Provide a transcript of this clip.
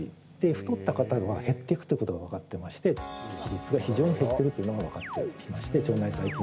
太った方は減っていくっていうことが分かってまして比率が非常に減っているというのが分かってきまして腸内細菌